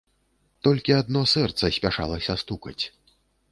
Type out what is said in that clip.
Толькі адно сэрца спяшалася стукаць.